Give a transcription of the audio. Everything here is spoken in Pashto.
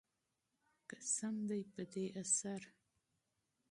قسم دی په عصر.